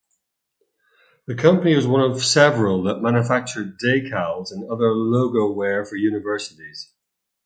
The company was one of several that manufactured decals and other logowear for universities.